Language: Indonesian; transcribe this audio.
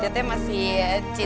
saya mainin sebuah lewet